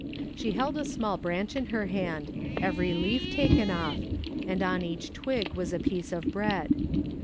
She held a small branch in her hand, every leaf taken off, and on each twig was a piece of bread.